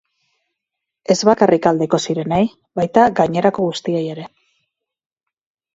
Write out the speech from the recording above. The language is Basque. Ez bakarrik aldeko zirenei, baita gainerako guztiei ere.